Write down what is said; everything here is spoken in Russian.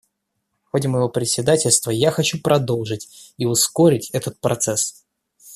В ходе моего председательства я хочу продолжить — и ускорить — этот процесс.